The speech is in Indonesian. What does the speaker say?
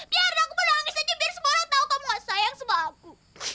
biarin aku pun nangis aja biar semua orang tau kamu gak sayang sama aku